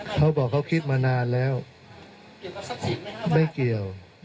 เขาบอกเขาคิดมานานแล้วไม่เกี่ยว